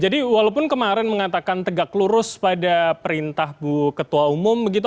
walaupun kemarin mengatakan tegak lurus pada perintah bu ketua umum begitu